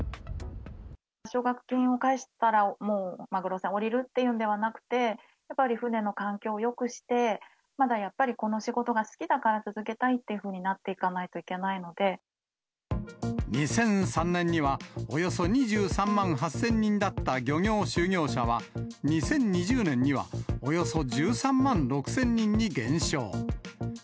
奨学金を返したら、もうマグロ船降りるっていうんではなくて、やっぱり船の環境をよくして、まだやっぱりこの仕事が好きだから続けたいというふうになってい２００３年には、およそ２３万８０００人だった漁業就業者は、２０２０年にはおよそ１３万６０００人に減少。